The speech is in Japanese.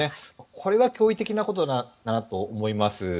これは驚異的なことだなと思います。